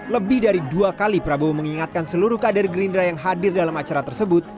lebih dari dua kali prabowo mengingatkan seluruh kader gerindra yang hadir dalam acara tersebut